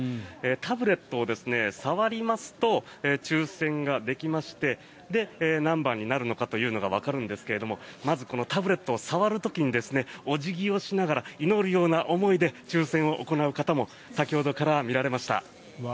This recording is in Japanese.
タブレットを触りますと抽選ができまして何番になるのかというのがわかるんですけれどまずこのタブレットを触る時にお辞儀をしながら祈るような思いで抽選を行う方も先ほどから見られました。